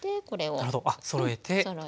あなるほどそろえて。